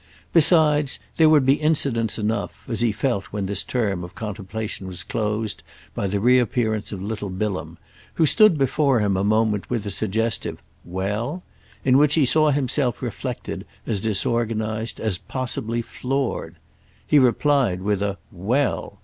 Besides, there would be incidents enough, as he felt when this term of contemplation was closed by the reappearance of little Bilham, who stood before him a moment with a suggestive "Well?" in which he saw himself reflected as disorganised, as possibly floored. He replied with a "Well!"